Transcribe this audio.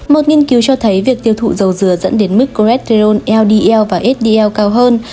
một nghiên cứu cho thấy việc tiêu thụ dầu dừa dẫn đến mức colesterol ldl và sdl cao hơn